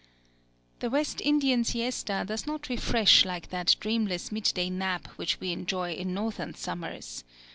The West Indian siesta does not refresh like that dreamless midday nap which we enjoy in Northern summers.